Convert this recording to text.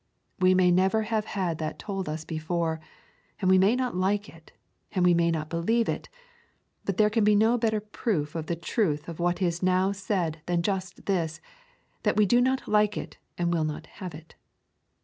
We may never have had that told us before, and we may not like it, and we may not believe it; but there can be no better proof of the truth of what is now said than just this, that we do not like it and will not have it.